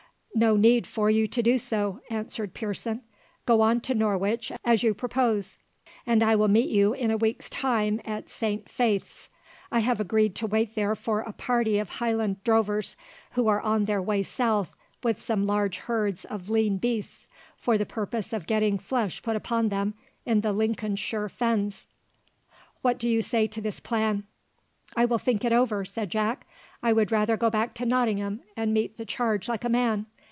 "No need for you to do so," answered Pearson. "Go on to Norwich, as you purpose, and I will meet you in a week's time at Saint Faith's. I have agreed to wait there for a party of Highland drovers, who are on their way south with some large herds of lean beasts, for the purpose of getting flesh put upon them in the Lincolnshire fens. What do you say to this plan?" "I will think it over," said Jack. "I would rather go back to Nottingham and meet the charge like a man.